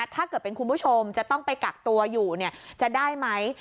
ถ้าเกิดเป็นคุณผู้ชมจะต้องไปกักตัวอยู่จะได้ไหม